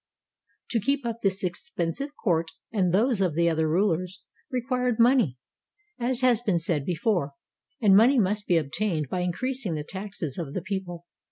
To keep up this expensive court and those of the other rulers, required money, as has been said before, and money must be obtained by increasing the taxes of the people.